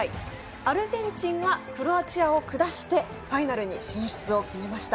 アルゼンチンがクロアチアを下してファイナルに進出を決めました。